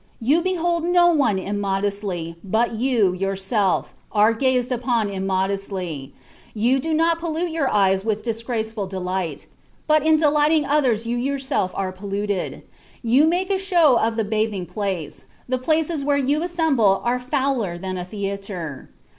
You behold no one immodestly, but you, yourself, are gazed upon immodestly; you do not pollute your eyes with disgraceful delight, but in delighting others you yourself are polluted; you make a show of the bathing place; the places where you assemble are fouler than a theatre.